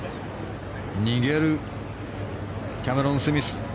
逃げるキャメロン・スミス。